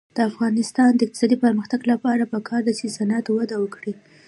د افغانستان د اقتصادي پرمختګ لپاره پکار ده چې صنعت وده وکړي.